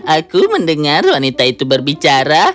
aku mendengar wanita itu berbicara